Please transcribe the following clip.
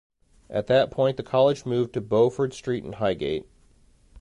At that point the college moved to Beaufort Street in Highgate.